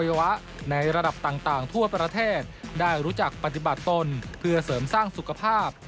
ในระดับต่างทั่วประเทศได้รู้จักปฏิบัติตนเพื่อเสริมสร้างสุขภาพ